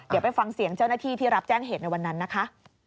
เดี๋ยวไปฟังเสียงเจ้าหน้าที่ที่รับแจ้งเหตุในวันนั้นนะคะ